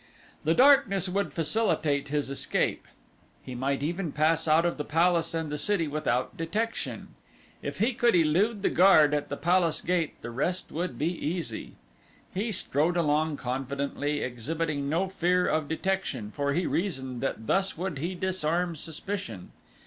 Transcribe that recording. The darkness would facilitate his escape. He might even pass out of the palace and the city without detection. If he could elude the guard at the palace gate the rest would be easy. He strode along confidently, exhibiting no fear of detection, for he reasoned that thus would he disarm suspicion.